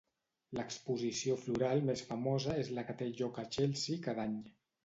L'exposició floral més famosa és la que té lloc a Chelsea cada any.